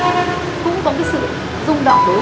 cô hiểu không ai cấm cả sự rung động của cô